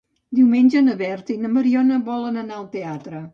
Diumenge na Berta i na Mariona volen anar al teatre.